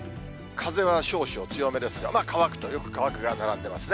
風は少々強めですが、乾くとよく乾くが並んでますね。